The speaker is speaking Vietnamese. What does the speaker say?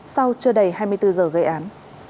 sau chưa đầy hai mươi bốn giờ gây án